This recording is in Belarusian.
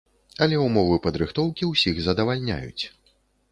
Але ўмовы падрыхтоўкі ўсіх задавальняюць.